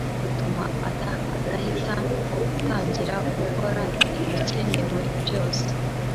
bituma adahita atangira gukora ibikenewe byose